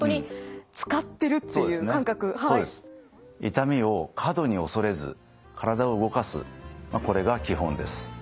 痛みを過度に恐れず体を動かすこれが基本です。